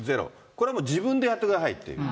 これもう、自分でやってくださいっていう。